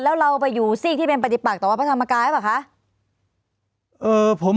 แล้วเราไปอยู่ซีกที่เป็นปฏิปักต่อวัดพระธรรมกายหรือเปล่าคะ